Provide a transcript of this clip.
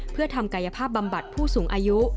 เพื่อทำกายภาพบำบัดผู้สูงอายุ